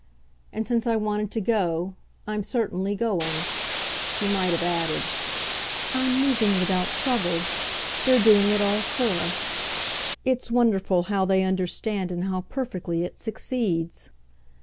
And since I wanted to 'go' I'm certainly going," she might have added; "I'm moving without trouble they're doing it all for us: it's wonderful how they understand and how perfectly it succeeds."